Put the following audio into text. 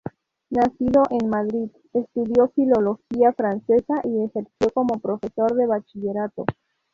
Nacido en Madrid, estudió Filología Francesa y ejerció como profesor de bachillerato.